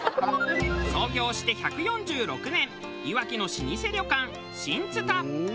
創業して１４６年いわきの老舗旅館新つた。